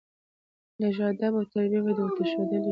لېږ ادب او تربيه به دې ورته ښودلى وه.